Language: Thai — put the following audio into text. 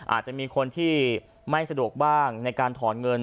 อาจจะมีคนที่ไม่สะดวกบ้างในการถอนเงิน